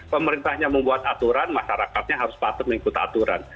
pemerintahnya membuat aturan masyarakatnya harus patut mengikuti aturan